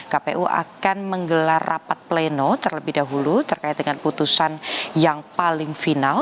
kpu akan menggelar rapat pleno terlebih dahulu terkait dengan putusan yang paling final